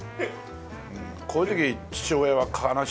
こういう時父親は悲しいね。